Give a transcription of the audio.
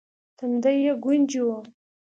تندی يې ګونجې و.